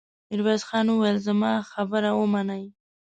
ميرويس خان وويل: زما خبره ومنئ!